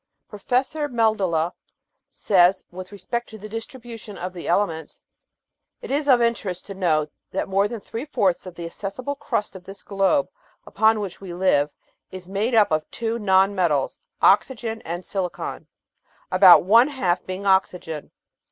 Professor Meldola says with respect to the distribution of the elements : It is of interest to note that more than three fourths of the accessible crust of this globe upon which we live is made up of two non metals, oxygen and silicon, about one half being oxygen.